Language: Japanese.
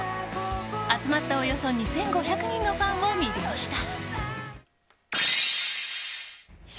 集まったおよそ２５００人のファンを魅了した。